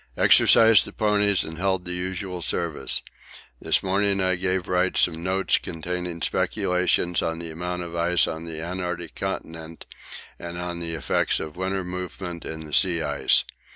Exercised the ponies and held the usual service. This morning I gave Wright some notes containing speculations on the amount of ice on the Antarctic continent and on the effects of winter movements in the sea ice.